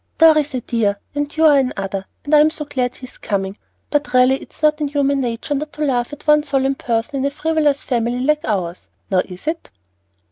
Dorry's a dear, and you are another, and I'm ever so glad he's coming; but really, it's not in human nature not to laugh at the one solemn person in a frivolous family like ours, now is it?"